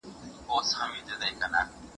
کله چې روغ ژوند دود شي، کمزوري نه ډېریږي.